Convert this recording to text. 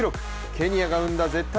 ケニアが生んだ絶対